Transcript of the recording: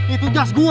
itu gas gua